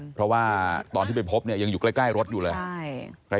เพราะว่าตอนที่ไปพบเนี่ยยังอยู่ใกล้รถอยู่เลย